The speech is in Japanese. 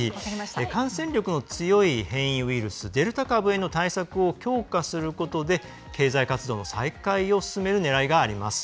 感染力の強い変異ウイルスデルタ株への対策を強化することで経済活動の再開を進めるねらいがあります。